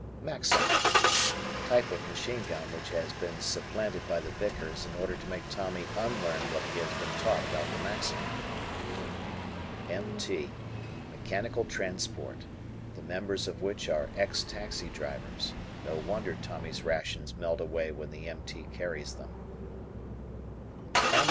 Maxim. Type of machine gun which has been supplanted by the Vickers in order to make Tommy unlearn what he has been taught about the Maxim. M.T. Mechanical Transport. The members of which are ex taxi drivers. No wonder Tommy's rations melt away when the M. T. carries them.